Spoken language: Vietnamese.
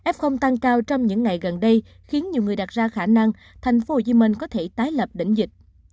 f tăng cao trong những ngày gần đây khiến nhiều người đặt ra khả năng thành phố hồ chí minh có thể tái lập đỉnh dịch